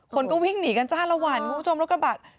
คนก็วิ่งหนีกันจ้าละวันคุณผู้ชมรถกระบะ